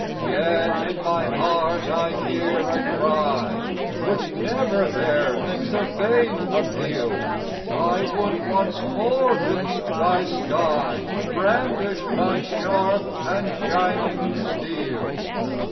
Yet in my heart I hear a cry, Which never there makes a vain appeal I would once more beneath thy sky Brandish my sharp and shining steel.